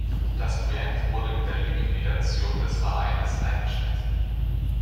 Das Projekt wurde mit der Liquidation des Vereines eingestellt.